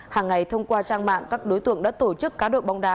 hàng ngày thông qua trang mạng các đối tượng đã tổ chức cá độ bóng đá